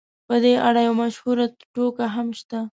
په دې اړه یوه مشهوره ټوکه هم شته.